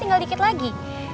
tinggal dikit lagi